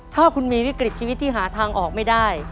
ถ้าคุณมีวิกฤตชีวิตที่หาทางออกไม่ได้